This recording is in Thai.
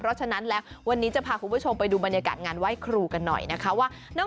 เพราะฉะนั้นแล้ววันนี้จะพาคุณผู้ชมไปดูบรรยากาศงานไหว้ครูกันหน่อยนะคะว่า